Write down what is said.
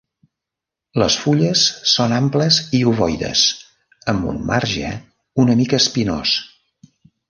Les fulles són amples i ovoides, amb un marge una mica espinós.